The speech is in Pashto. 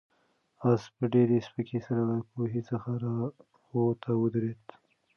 آس په ډېرې سپکۍ سره له کوهي څخه راووت او ودرېد.